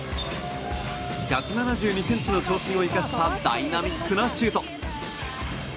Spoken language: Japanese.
１７２ｃｍの長身を生かしたダイナミックなシュート。